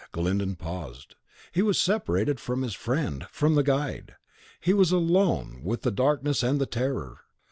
Glyndon paused. He was separated from his friend, from the guide. He was alone, with the Darkness and the Terror.